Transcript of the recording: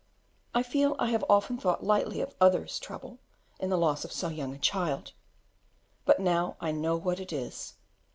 I fear I have often thought lightly of others' trouble in the loss of so young a child; but now I know what it is.